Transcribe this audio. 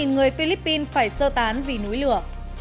sáu mươi một người philippines phải sơ tán vì núi lửa